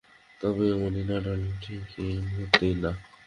তবে এখনই না ডার্লিং, ঠিক এই মুহুর্তে না।